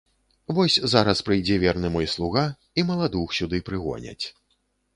Вось зараз прыйдзе верны мой слуга, і маладух сюды прыгоняць.